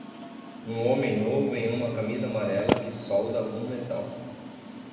Um homem novo em uma camisa amarela que solda algum metal.